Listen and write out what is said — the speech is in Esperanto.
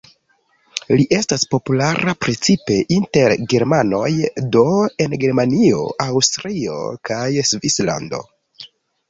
Li estas populara precipe inter germanoj, do en Germanio, Aŭstrio kaj Svislando.